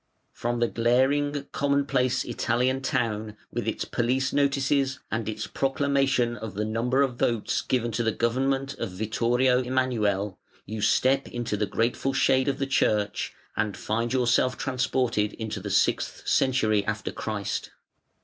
From the glaring, commonplace Italian town with its police notices and its proclamation of the number of votes given to the government of Vittorio Emmanuele, you step into the grateful shade of the church and find yourself transported into the sixth century after Christ.